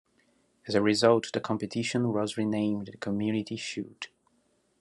As a result, the competition was renamed the Community Shield.